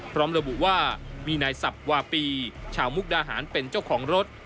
พร้อมระบุว่ามีนายสับวาปีชาวมุกดาหารเป็นเจ้าของรถ